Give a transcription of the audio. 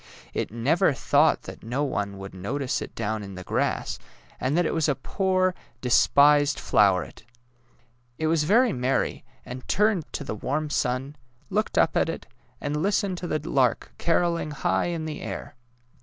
It never thought that no one would notice it down in the grass, and that it was a poor, 189 190 DAISY AND SUNFLOWER despised floweret. It was very merr}^, and turned to the warm siin, looked up at it, and listened to the lark carolling high in the air.